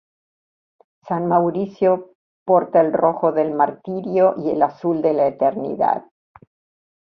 San Mauricio porta el rojo del martirio y el azul de la eternidad.